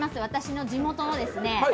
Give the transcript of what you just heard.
私の地元のですね